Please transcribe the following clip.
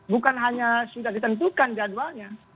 bukan hanya sudah ditentukan jadwalnya